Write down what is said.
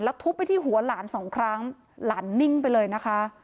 ทุบไปที่หัวหลานสองครั้งหลานนิ่งไปเลยนะคะ